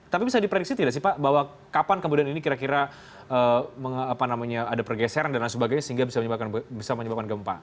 tapi bisa diprediksi tidak sih pak bahwa kapan kemudian ini kira kira ada pergeseran dan lain sebagainya sehingga bisa menyebabkan gempa